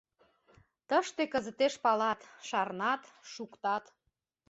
Тыште кызытеш палат, шарнат, шуктат.